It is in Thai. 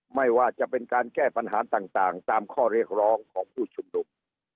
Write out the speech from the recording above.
ไม่ว่าจะเป็นการแก้ปัญหาต่างตามข้อเรียกร้องของผู้ชุมนุม